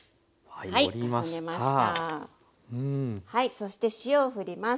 そして塩をふります。